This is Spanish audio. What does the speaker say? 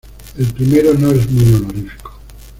El primero no es muy honorífico.